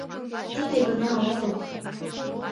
Тиде гына огыл.